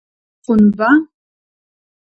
Хъунба?